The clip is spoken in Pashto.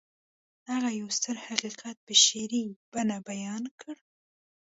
هغه يو ستر حقيقت په شعري بڼه بيان کړ.